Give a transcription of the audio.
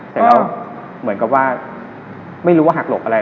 เสร็จแล้วเหมือนกับว่าไม่รู้ว่าหักหลบอะไร